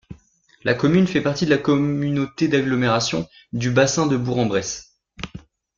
La commune fait partie de la Communauté d'agglomération du Bassin de Bourg-en-Bresse.